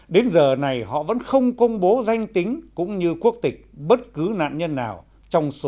đến giờ này họ vẫn không công bố danh tính cũng như quốc tịch bất cứ nạn nhân nào trong số ba mươi chín tử thi đó